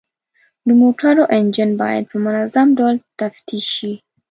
د موټرو انجن باید په منظم ډول تفتیش شي.